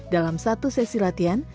dalam satu sesi latihan